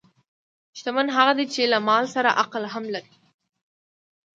شتمن هغه دی چې له مال سره عقل هم لري.